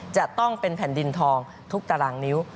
จะต้องเป็นแผ่นดินทองทุกตารางนิ้ว